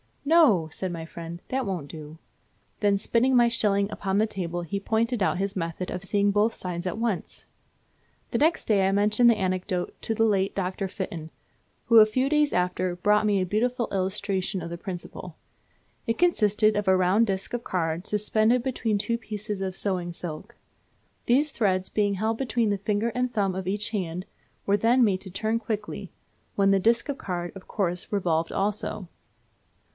'No,' said my friend, 'that won't do;' then spinning my shilling upon the table, he pointed out his method of seeing both sides at once. The next day I mentioned the anecdote to the late Dr. Fitton, who a few days after brought me a beautiful illustration of the principle. It consisted of a round disc of card suspended between two pieces of sewing silk. These threads being held between the finger and thumb of each hand, were then made to turn quickly, when the disc of card, of course, revolved also.